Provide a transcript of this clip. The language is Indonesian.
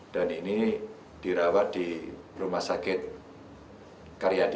dan ini dirawat di rumah sakit karyadi